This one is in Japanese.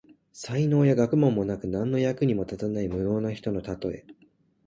才能や学問もなく、何の役にも立たない無能な人のたとえ。